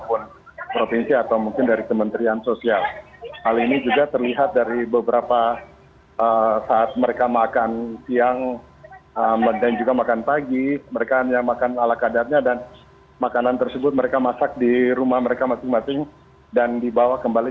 untuk para pengusaha